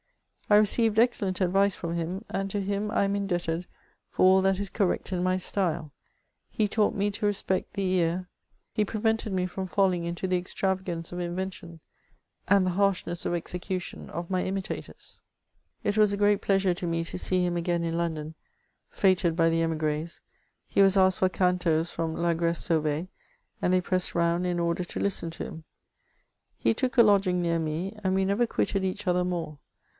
I received excellent advice Som him, and to him I am indebted for all that is correct in my st^le; he taught me to respect the ear; he prevented me from frilling into the extravagance of invention, and the harshness of execution of my imitators. 408 MEMOntS OF It was a great pleasure to me to see him again in London, fHied by the imigrSs; he was asked for cantos fix>m La Crrece SauveCy and they pressed romid in order to listen to hincu He took a lod^g near me, and we neyer quitted each other more.